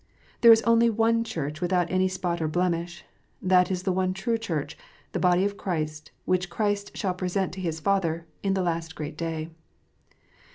There is only one Church without spot or blemish. That is the one true Church, the body of Christ, which Christ shall present to His Father in the last great day.